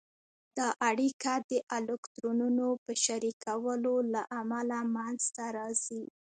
دا اړیکه د الکترونونو په شریکولو له امله منځته راځي.